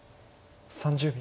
３０秒。